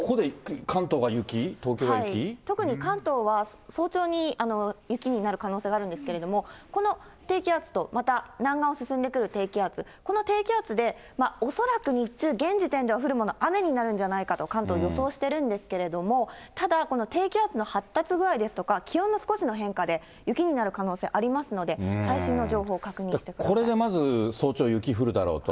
特に関東は、早朝に雪になる可能性があるんですけれども、この低気圧と、また南岸を進んでくる低気圧、この低気圧で、恐らく日中、現時点では降るもの、雨になるんじゃないかと、関東、予想しているんですけれども、ただ、この低気圧の発達具合ですとか、気温の少しの変化で雪になる可能性ありますので、これでまず早朝、雪降るだろうと。